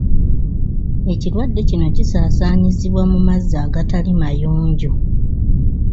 Ekirwadde kino kisaasaanyizibwa mu mazzi agatali mayonjo.